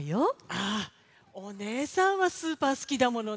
ああお姉さんはスーパーすきだものね。